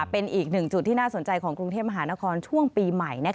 เป็นอีกหนึ่งจุดที่น่าสนใจของกรุงเทพมหานครช่วงปีใหม่